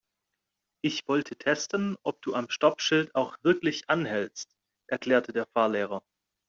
Ich wollte testen, ob du am Stoppschild auch wirklich anhältst, erklärte der Fahrlehrer.